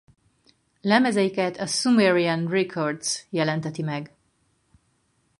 Lemezeiket a Sumerian Records jelenteti meg.